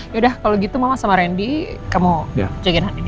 yaudah kalau gitu mama sama randy kamu jagain hatinya